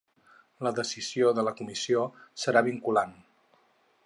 La decisió de la Comissió serà vinculant